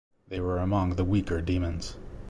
They were among the weaker demons.